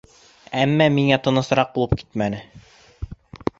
Әммә миңә тынысыраҡ булып китмәне.